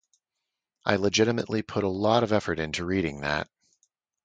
I legitimately put a lot of effort into reading that.